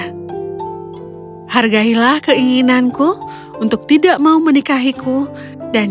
hai hargailah keinginanku untuk tidak mau menikahiku dan jangan bertanya